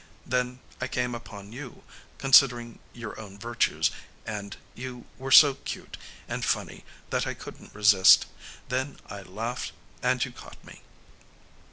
Then I came upon you considering your own virtues, and you were so cute and funny that I couldn't resist. Then I laughed and you caught me."